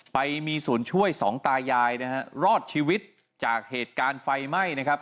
ไปมีส่วนช่วยสองตายายนะฮะรอดชีวิตจากเหตุการณ์ไฟไหม้นะครับ